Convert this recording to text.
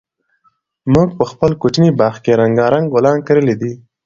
موږ په خپل کوچني باغ کې رنګارنګ ګلان کرلي دي.